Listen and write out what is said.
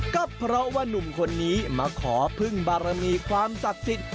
ก็เพราะว่านุ่มคนนี้มาขอพึ่งบารมีความศักดิ์สิทธิ์